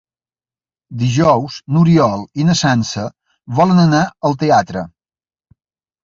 Dijous n'Oriol i na Sança volen anar al teatre.